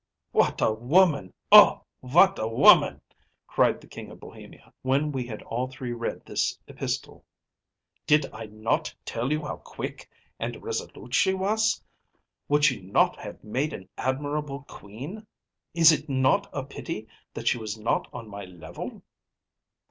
‚ÄĚ “What a woman‚ÄĒoh, what a woman!‚ÄĚ cried the King of Bohemia, when we had all three read this epistle. “Did I not tell you how quick and resolute she was? Would she not have made an admirable queen? Is it not a pity that she was not on my level?